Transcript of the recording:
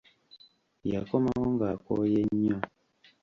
Yakomawo ng'akooye nnyo.